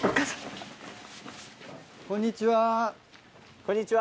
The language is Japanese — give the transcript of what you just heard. こんにちは。